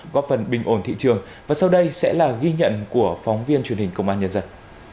góp phần bình ổn thị trường và sau đây sẽ là ghi nhận của phóng viên truyền hình công an nhân dân